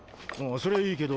そりゃいいけど。